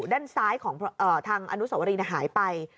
ด้านซ้ายของพระชาติทางอรุณสวรีหายไป